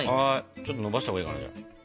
ちょっとのばしたほうがいいかな。